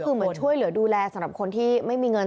คือเหมือนช่วยเหลือดูแลสำหรับคนที่ไม่มีเงิน